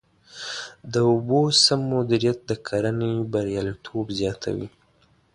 د اوبو سم مدیریت د کرنې بریالیتوب زیاتوي.